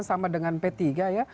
sama dengan p tiga ya